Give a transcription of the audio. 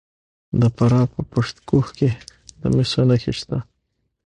د فراه په پشت کوه کې د مسو نښې شته.